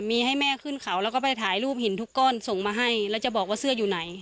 มีให้แม่ขึ้นเขาแล้วก็ไปถ่ายรูปหินทุกก้อนส่งมาให้แล้วจะบอกว่าเสื้ออยู่ไหน